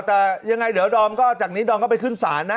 แต่ยังไงเดี๋ยวดอมก็จากนี้ดอมก็ไปขึ้นศาลนะ